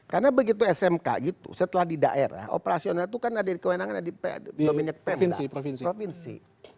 karena begitu smk gitu setelah di daerah operasional itu kan ada di kewenangan ada di provinsi